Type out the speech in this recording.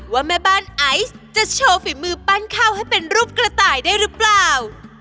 ว่าแม่บ้านไอซ์จะโชว์ฝีมือปั้นข้าวให้เป็นรูปกระต่ายได้หรือเปล่า